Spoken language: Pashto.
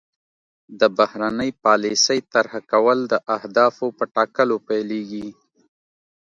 د بهرنۍ پالیسۍ طرح کول د اهدافو په ټاکلو پیلیږي